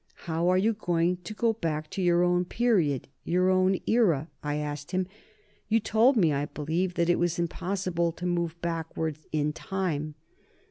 "How are you going to go back to your own period your own era?" I asked him. "You told me, I believe, that it was impossible to move backward in time."